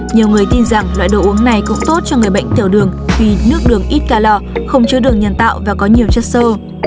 nhiều người tin rằng loại đồ uống này cũng tốt cho người bệnh tiểu đường vì nước đường ít calor không chứa đường nhân tạo và có nhiều chất sơ